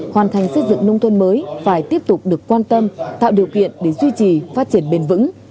hoàn thành xây dựng nông thôn mới phải tiếp tục được quan tâm tạo điều kiện để duy trì phát triển bền vững